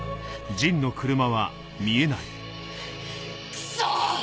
クソ！